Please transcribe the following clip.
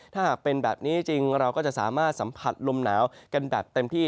ถ้าหากเป็นแบบนี้จริงเราก็จะสามารถสัมผัสลมหนาวกันแบบเต็มที่